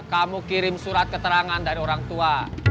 kamu kirim surat keterangan dari orang tua